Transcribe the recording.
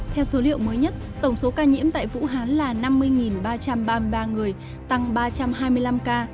theo số liệu mới nhất tổng số ca nhiễm tại vũ hán là năm mươi ba trăm ba mươi ba người tăng ba trăm hai mươi năm ca